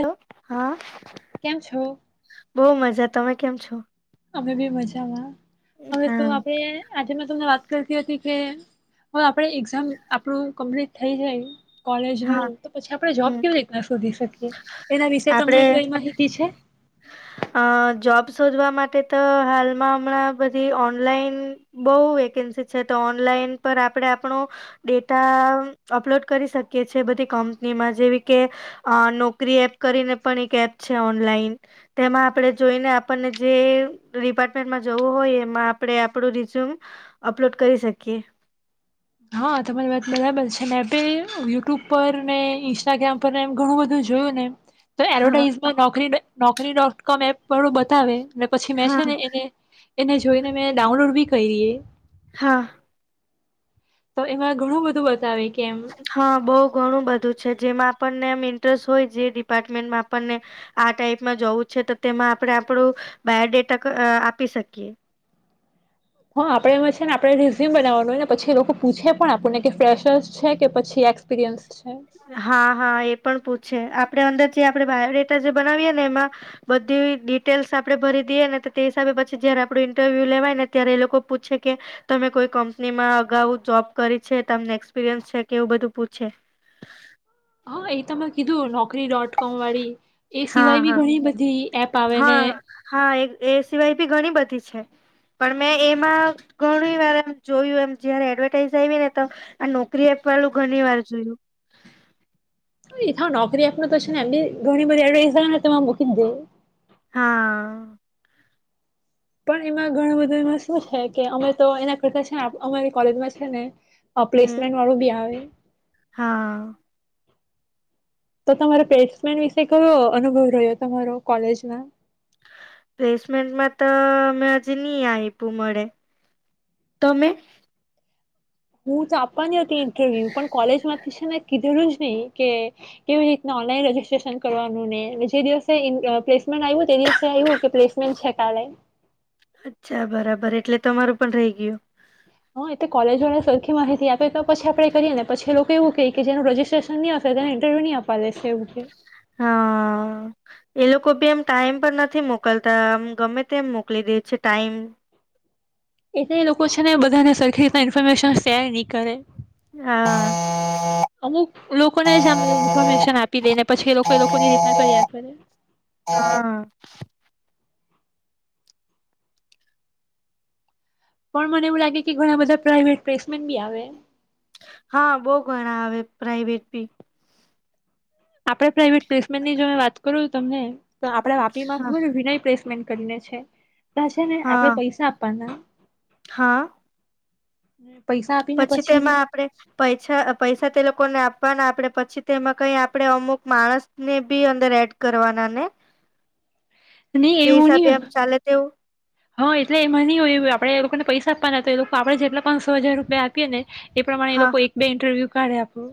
તો હા, કેમ છો? બો મજા તમે કેમ છો? અમે બી મજામાં. હવે તો હા આપડે આજે મે તમને વાત કરતી હતી કે હવે આપણે આપ એક્ઝામ આપણું કમ્પ્ટ થઈ જાય. હા કોલેજવું તો પછી આપણે જોબ હમ કેવી રીતના શોધી શકીએ, એના વિશે આપડે તમને કઈ માહિતી છે? અ જોબ શોધવા માટે તો હાલમાં હમણાં બધી ઓનલાઈન બહુ વેકેન્સી છે તો ઓનલાઈન પર આપણે આપણો, ડેટા અપલોડ કરી શકીએ. કે છે બધી કંપનીમાં જેવી કે, નોકરી એપ કરીને પણ એક એપ છે ઓનલાઈન, તેમાં આપણે જોઈને આપણને જે ડિપાર્ટમેન્ટમાં જવું હોય એમાં આપણે આપણું રીઝ્યુમ, અપલોડ કરી શકીએ. હા તમારી વાત બરાબર છે મેપે યુટ્યુબ પર ને ઇન્સ્ટાગ્રામ પર એમ ઘણું બધું જોયું ને એમ. તો હા એડવર્ટાઈઝમેન્ટ નોકરી નોકરી ડોટ કોમ એપ પર બતાવે. પછી મેં હા છે ને એને એને જોઈને મેં ડાઉનલોડ બી કરીએ. હા. તો એમાં ઘણું બધું બતાવે. કે એમ હા બહુ ઘણું બધું છે જેમાં આપણને એમ ઇન્ટરેસ્ટ હોય જે ડિપાર્ટમેન્ટમાં આપણને આ ટાઈપમાં જવું છે તો તેમાં આપણે આપણું બાયોડેટા આપી શકીએ હા આપડે એમાં છે ને આપડણે રિઝ્યુમ બનાવાનું હોય ને પછી એ લોકો પૂછે પણ આપણને ફ્રેશર્સ છે કે પછી એક્સપિરિયન્સ છે હા હા એ પણ પૂછ આપે અંદર જે આપડે બાયોડેટા જે બનાવીએ ને એમાં બધી ડિટેલ્સ આપડે ભરી દઈએ ને તે હિસાબે પછી જયારે આપડું ઈન્ટરવ્યુ લેવાય ને ત્યારે એ લોકો પૂછે કે તમે કોઈ કંપનીમાં અગાઉ જોબ કરી છે તમને એક્સપિરિયન્સ છે કે એવું બધું પૂછે હા એ તો મે કીધું [inaudible] નોકરી ડોટ કોમ વાળી એ હા સિવાય બી હા ઘણી બધી એપ આવે ને હા હા એ સિવાય બી ઘણી બધી છે પણ મેં એમાં ઘણી વાર એમ જોયું એમ જયારે એડવર્ટાઈઝ આવી ને તો આ નોકરી આપવું ઘણી વાર જોયું તો [inaudible] નોકરી આપ તો ને એમને ઘણી બધી એડવાસમાં મૂકીને દે હા પણ એમાં ઘણું બધું એમાં શું છે કે અમે તો એના કરતા છે ને અમારી કોલેજમાં છે ને અ હમ પ્લેસમેન્ટ વાણો બી આવે હા. તો તમારે પ્લેસમેન્ટ વિશે કયો અનુભવ રહ્યો તમારો કોલેજમાં પ્લેસમેન્ટમાં તો અમે હજુ નહી આપ્યું મળે તમે હું તો આપવાની હતી ઇન્ટરવ્યુ પણ કોલેજમાંથી છે ને કીધેલું જ નહી કે કેવી રીતને ઓનલાઈન રજસ્ટ્રેશન કરવાનુંને જે દિવસે પ્લેસમેન્ટ આવ્યું તે દિવસે આવ્યું કે પ્લેસમેન્ટ છે કાલે અચ્છા બરાબર એટલે તમારું પણ રહી ગયું. હા એ કોલેજોને સરખી માહિતી આપે તો પછી આપડે કરીએ ને પછી લોકો એવું ક કે જેનું રજજીસ્ટ્રેશન ની હશેને ઇન્ટરવ્યુ ન આપવા દેશે એવું કે હા એ લોકો ભી એમ ટાઈમ પર નથી મોકલતા આમ ગમે તે મોકલી દે છે ટાઈમ એ તો એ લોકો છે ને બધાને સરખી રીતના ઇન્ફોર્મેશન શેર નહીં કરે. હા અમુક લોકોને જ અમે ઇન્ફોર્મેશન આપી દઈને પછી એ લોકો એ લોકોની રીતના કરી હા પણ મને એવું લાગે કે ઘણા બધા પ્રાઇવેટ પ્લેસમેન બી આવે હા બહુ ઘણા આવે પ્રાઇવેટ બી આપડે પ્રાાઈવેટ પ્લેસમેન્ટની જો વાત કરું તમને તો આપણા વાપી માં હા ખબર છે વિનય પ્લેસમેન્ટ કરીને છે. તા છે ને આપડે હા પૈસા આપવાના હા. હમ. પછી તેમાં આપણેે પૈસા પૈસા તે લોકોને આપ આપડે પછી તેમાં કઈ આપણેે અમુક માણસ ને બી અંદર એડ કરવાના ને નહી તે એવું હિસાબે નહી આમ ચાલે તેવું હા એટલે એમાં નહ હોય એ આપણેે એ લોકોને પૈસા આપવાના તો એ લોકો આપણે જેટલા પાંચસો હજાર રૂપિયા આપીએ ને એ પ્રમાણે એ હા લોકો એક બે ઇન્ટરવ્યુ કારે આપ આપું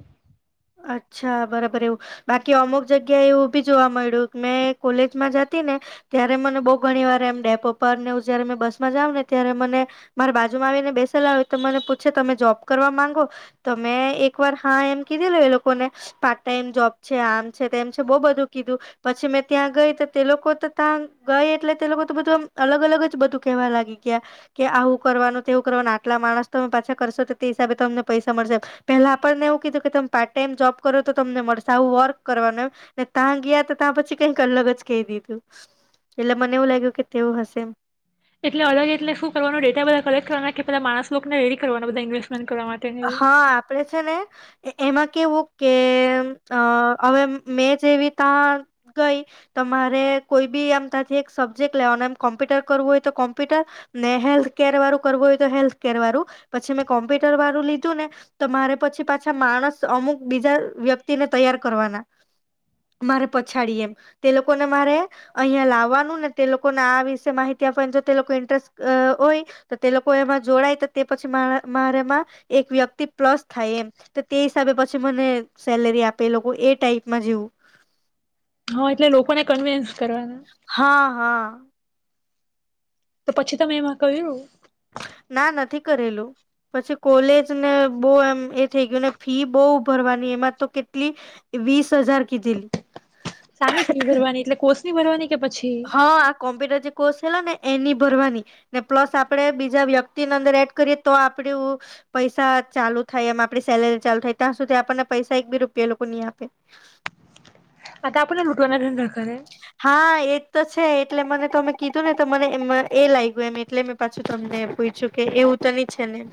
અચ્છા બરાબર એવું બાકી અમુક જગ્યા એવું ઉ ભી જોવા મળ્યું મેં કોલેજમાં જતી ને ત્યારે મને બહુ ઘણી વાર એમ ડેપો પર ને એ જયારે બસમાં જાાવ ને ત્યારે મને મારે બાજુમાં આવી ને બેસેલા હો તો મને પૂછે તમે જોબ કરવા માંગો તો મેં એક વાર હા એમ લોકોને પાર્ટ ટાઈમ જોબ છે આમ છે તેમ છે બહુ બધું કીધું પછી મેં ત્યાં ગઈ તે લોકો તો ત્યાં ગઈ એટલે તે લોકો તો બધું અલગ અલગ જ બધું કેવા લાગી ગયા કે આવું કરવાનું તેવું કરવાનું આટલા માણસ તો તમે પાછા કરશો તો તે હિસાબે તમને પૈસા મળશે પેલા આપણને એવું કીધું. તમે પાર્ટ ટાઈમ જોબ કરો તો તમને મળશે આવું વર્ક કરવાનું એમ ને ત્યાં ગયા તો ત્યાં પછી કઈક અલગ જ કહી દીધું એટલે મને એવું લાગ્યું કે તેવું હશે એમ એટલે અલગ એટલે શું કરવાનું ડેટા બધા કલેક્ટ કરવાના કે બધા માણસ લોકોને રેડી કરવાના બધા ઇન્વેસ્ટમે હા આપડે છે ને એમાં કેવું કે અ હવે મેં જેવી ત્યાં ગઈ તમા મારે કોઈ બી આમ ત્યાંથી એક સબ્જેક્ટ લેવાનું એમ કોમ્પ્યુટર કરવું હોય તો કોમ્પ્યુટર ને હેલ્થ કેર વાળું કરવું હોય તો હેલ્થ કેર વાળું પછી મેં કોમ્પ્યુટર વાળું ને તો મારે પછી પાછા માણસ અમુક બીજા વ્યક્તિને તૈયાર કરવાના મારે પછાડી એમ તે લોકોને મારે અહંયા લાવવાનું ને તે લોકોને આ વિષ માહિતી આપવાની જો તે લોકો ઇન્ટરેસ્ટ હોય તો તે લોકો એમાં જોડાય તો તે પછી મારેમાં એક વ્યક્તિ પ્લસ થાય એમ તો તે હિસાબે પછી મને સેલરી આપે લોકો એ ટાઈપમાં જેવું. હા એટલે લોકોને કન્વીન્સ હા હા. તો પછી તમે એમાં કહ્યું. ના નથી કરેલું પછી કોલેજને બહુ એમ એ થઈ ગયુંને ફી બહુ ઉભરવાની એમાં તો કેટલી વીસ હજાર કીધેલી સાની ફીવરવાની એટલે કો બરવાની હા આ કોમ્પ્યુટર જે કોર્સ લો ને એની ભરવાની ને પ્લસ આપડે બીજા વ્યક્તિની અંદર એડ કરીએ તો આપડુ પૈસા ચાલુ થાય એમ આપડી સેલેરી ચાલુ થાય ત્યાં સુધી આપણને પૈસા એક બી રૂપિયા લોકો ની આપે આ આપણેને લૂટવાના ઘંધા હા એક તો છે એટલે મને તો મેમે કીધું ને તો મને એ એ લાગ્યું એમ એટલે મેં પાછું તમને પૂછું કે એવું તની છે ને એમ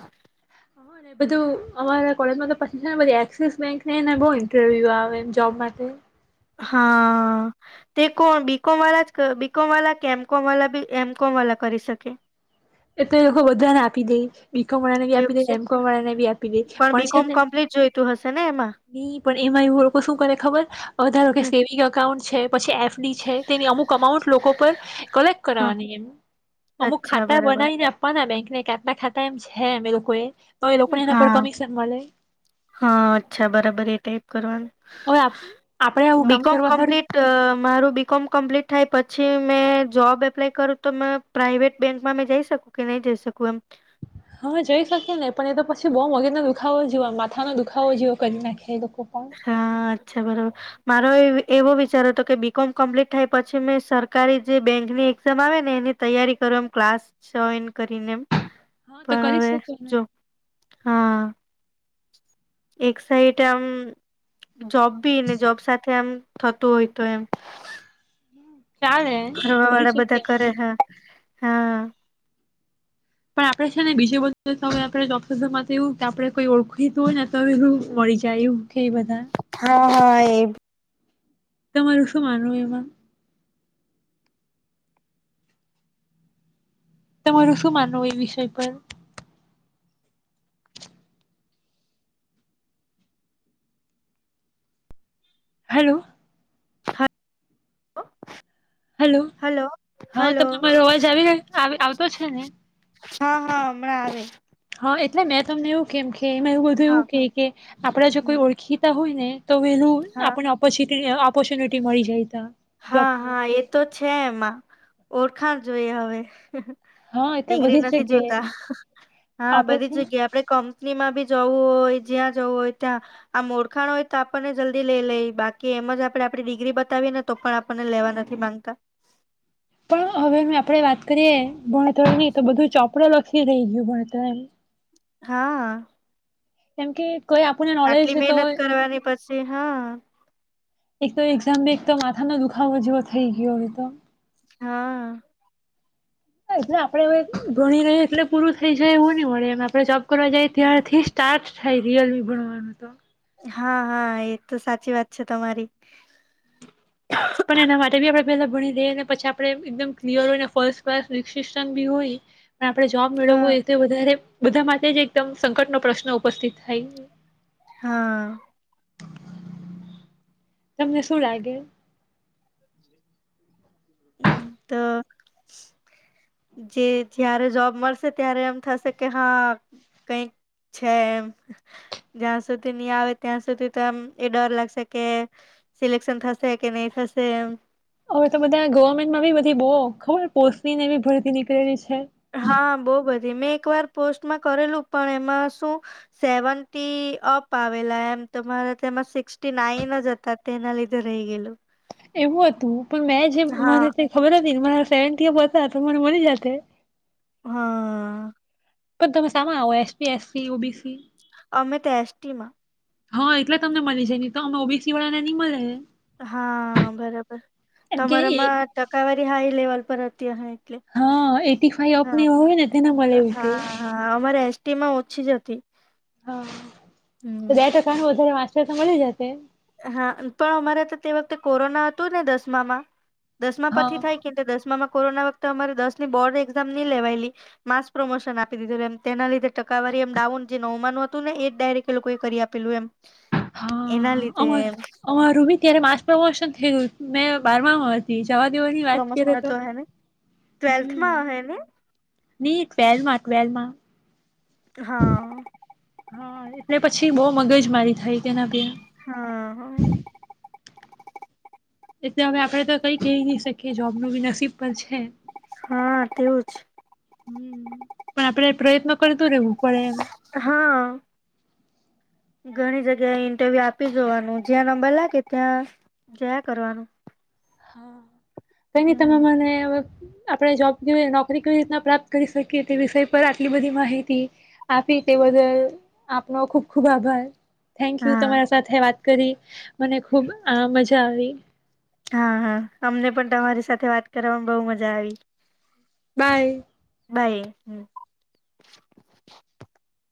ને બધું અમારા કોલેજમાં તો પછી છે એ ક સેસ બેકને બહ ઇન્ટરવ્યુ આવે એ જોબ માટે હા તે કોણ બીકોમ વાળ જ બીકોમ વાલા કે એમ કોમ વાલા બી એમ કોમ વાળ કરી શકે એટલે એ લોકો બધાને આપી દે બીકોમ વાળાને બી આપી એવું દે છે એમ કોમ વાળા ને બી આપી દે પણ છે બીકોમ ને કમ્પ્લીટ જોઈતું હશે ને એમાં ન પણ એમાં લોકો શું કરે ખબર વધારો કે હ સેવિંગ એકાઉન્ટ છે પછી એફડી છે તેની અમુક અમાઉન્ટ લોકો પર કલેક્ટ હા કરવાની એમ અમુક ખા અચ્છા ત બરાબર બનાવી ને આપવાના બેં કાટના ખાતા એમ છે અમે લોકો એ તો એ લોકોનેના હા પણ કમિશન મળે હા અચ્છા બરાબર એ ટાઈપ હવે આપ આપણે આવું કરવાનું કામ બીકોમ કરવા હારું કમ્પ્લીટ મારું બીકોમ કમ્પ્લીટ થાય પછી પછી મે જોબ એપ્લાય કરું તો મે પ્રાાઈવેટ બેંકમાં મે જઈ શકું કે નહી જઈ શકું એમ હા જઈ શકીએ નને પણ એ તો પછી બહુ મગજ નો દુખો જયો માથાનો દુખાવો જેવો કરી નાખી એ તો હા અચ્છા બરોબર મારો એ એવો વિચાર હતો કે બી કોમ કમ્પ્લીટ થાય પછી મેં સરકારી જે બેન્કની એક્ઝામ આવે ને એની તૈયારી કરો એમ ક્લાસ જોઈન કરીને એમ હા તો પણ કરી હવે શકીએ ને જો હા એકસાહીટ આમ જોબ બી ને જોબ સાથે એમ થતું હોય તો એમ ચાલે કરી કરવાળા બધા શકીએ કરે આપણે હા હા પણ આપણે છે ને બીજું બુ તો આપમાં એવું કે આપણે કોઈ ઓળખીહોય ને તું મળી જાય એવું કે બધા હા હા એ તમારું શું માનવુ એમાં તમારું શું માનવું એ વિષય પર હલો એ હલો હેલો હા હલો તમેરો અવાજ આવીને આવતો છે ને હા હા હમણાં આવે હા એટલે મેં તમને એવું કેમ કે મે બધું હા એવું કે કે આપડા જો હમ કોઈ ઓળખીતા હોય અને તો વેલું હા આપણે અપચિત ઓપોર્ચ્યુનિટી મળી જાય છે હા હા એ તો છે એમાં ઓળખાવ જોઈએ હવે હા એટલે ડિગ્રી બધી જ નથી જોતા જગ્યાએ હા આપડે બધી છે ને જગ્યા આપડે કંપનીમાં બી જવું હોય જ્યાં જવું હોય ત્યાં આમ ઓળખાણ હોય તો આપણને જલ્દી લેઈ લેય બાકી એમ જ આપણે આપડી ડિગ્રી બતાવી ન તો પણ આપણને લેવા નથી માંગતા. પણ હવે મેં આપડે વાત કરીએ ભણતરની તો બધું ચોપડુ લ કે રેય ગયું હોય તો એમ. હા. કેમકે કોઈ આપણને નોલેજ તો સે હા. એક તો એક્ઝામ બી એક તો માથા નો દુઃખાવો જેવો થઈ ગયો હોય તો હા. એટલે આપડે હવે ભણી રહીએ એટલે પૂરું થઈ જાય એવું નહીં મળે એમ આપણે જોબ કરવા જાઈએ ત્યારથી સ્ટાર્ટ છે રિયલી ભણવાનું તો હા હા એ તો સાચી વાત છે તમારી. પણ એના માટે બી આપડે પેલા ભણી લીએ ને પછી આપડે એકદમ ક્લિયર હોય ને ફસ્ટ પાસ [unintelligible] બી હોય અને આપણે જોબ મેળવવું હા હોય તો વધારે બધા માટે જ એકદમ સંકટનો પ્રશ્ન ઉપસ્થિત થાય. હા. તમને શું લાગે? હ તો જે જયારે જોબ મળશે ત્યારે એમ થશે કે હા કઈક છે એમ જ્યાં સુધી નહી આવે ત્યાં સુધી તો એ મ એ ડર લાગશે કે સિલેકશન થશે કે નહીં થશે એમ. હવે તો બધા ગવર્મેન્ટમાં બી બધી બો ખબર પોસ્ટનીને બી ભરતી ની પેરિસ હા બહુ બધી મેં એક વાર પોસ્ટમાં કરેલું પણ એમાં શું સેવન્ટી અપ આવેલા એમ તમારા તેમાં સિક્સટી નાઈન જ હતા તેના લીધે રહી ગયેલું. એવું હતું. પણ મેં જે હા મને તે ખબર હતી ને મારા સેવન ટી અપ હતા. તમારે મળી જાતે. હા. પણ તમે સામે આવો? S T, S C, O B C અમે તો એસ ટી મા હા એટલે તમને મલી જાય ની તો અમને ઓ બી સી વાલા ને ની મળે. હા બરાબર એમ કે એ તમારામાં ટકાવારી હાઈ લેવલ પર અતી અહે. હા એટી ફાઈવ અપ હોય ને તેને મલે એવું કેય. તીમા ઓછી જ હતી. હા તો હમ બે ટકાનું વધારે વ્યાજ તે તો મળી જશે હા પણ અમારા તો તે વખતે કોરોના હતું ને દસમામાં દસમા હા પછી થાય કેટલે દસમામાં કોરોના વખતે અમારે દસ ની બોર્ડ એક્ઝામ ન લેવાયેલી માસ પ્રમોશન આપી દીધું એમ તેના લીધે ટકાવારી એમ ડાઉન જે નવમાંનું હતું ને એ જ ડાયરેક્ટ એ લોકોએ કરી આપેલું એમ એના લીધે અ અ રૂમી ત્યારે માસ્ પ્રમોશન થયયું મેં બારમા માં હતી. જવા દેવાની વાત કર પ્રમોશન તો, હતો હેને હમ ટ્વેલ્થમાં હે ને ની ટ્વેલ્વથ માં હા. હા એટલે પછી બહુ મગજ મારી થાય. તેના પ્યા હા હ. એટલે હવે આપડે તો કઈ કહી નહી શકીએ જોબ ન બી નસીબ પર છે. હા તેવુંજ હમ પણ આપડે પ્રયત્ન કરતું રહેવું પડે એમ. હા. ઘણી જગ્યાએ ઇન્ટરવ્યુ આપી જોવાનું જ્યાં નંબર લાગે ત્યાં જયા કરવાનું. હા. કઈ તમે હમ મને આપણે જોબ નોકરી કવી રીતના પ્રાપ્ત કરી શકીએ તે વિષય પર આટલી બધી માહિતી આપી તે બદલ આપનો ખુબ ખુબ આભાર. Thank you. હા તમારા સાથે વાત કરી મને ખુબ આ મજા આવી. હા હા અમને પણ તમારી સાથે વાત કરવામાં બહુ મજા આવી. બાય. બાઈ હમ